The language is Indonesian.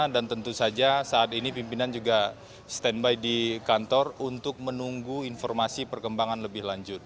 dan tentu saja saat ini pimpinan juga standby di kantor untuk menunggu informasi perkembangan lebih lanjut